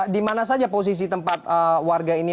di mana saja posisi tempat warga ini